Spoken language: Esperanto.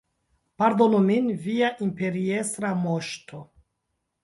Pardonu min, Via Imperiestra Moŝto!